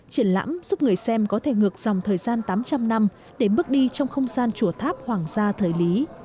triển lãm giúp người xem có thể ngược dòng thời gian tám trăm linh năm để bước đi trong không gian chùa tháp hoàng gia thời lý